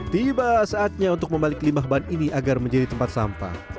tiba saatnya untuk membalik limbah ban ini agar menjadi tempat sampah